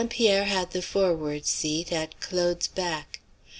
Pierre had the forward seat, at Claude's back.